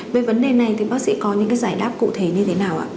về vấn đề này thì bác sĩ có những cái giải đáp cụ thể như thế nào ạ